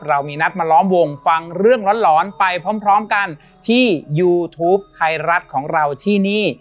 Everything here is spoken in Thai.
เรามีนัดมาล้อมวงฟังเรื่องร้อนไปพร้อมกันที่ยูทูปไทยรัฐของเราที่นี่